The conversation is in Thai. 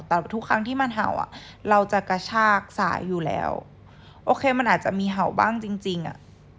แต่ทุกครั้งที่มันเห่าอ่ะเราจะกระชากสายอยู่แล้วโอเคมันอาจจะมีเห่าบ้างจริงจริงอ่ะ